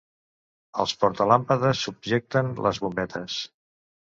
Els portalàmpades subjecten les bombetes.